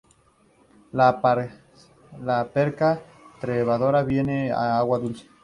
La perca trepadora vive en agua dulce.